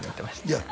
いや